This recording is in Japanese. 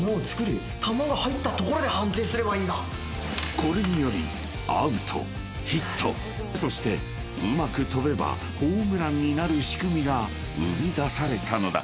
［これによりアウトヒットそしてうまく飛べばホームランになる仕組みが生み出されたのだ］